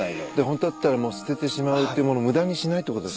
ホントだったらもう捨ててしまうっていう物無駄にしないってこと。